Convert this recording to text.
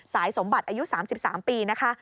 สายสมบัติอายุ๓๓ปีนะคะ